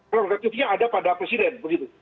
prerogatifnya ada pada presiden